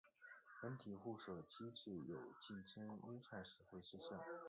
软体互锁机制在有竞争危害时会失效。